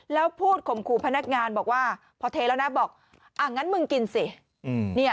แล้วพูดข่มขู่พนักงานบอกว่าพอเทแล้วนะบอกอ่ะงั้นมึงกินสิ